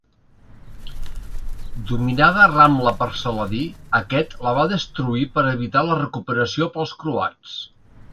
Dominada Ramla per Saladí, aquest la va destruir per evitar la recuperació pels croats.